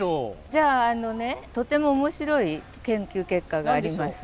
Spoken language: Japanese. じゃああのねとても面白い研究結果があります。